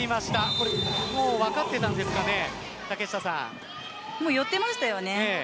これ、分かっていたんですかね寄ってましたよね。